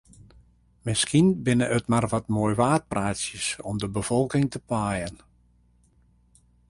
Miskien binne it mar wat moaiwaarpraatsjes om de befolking te paaien.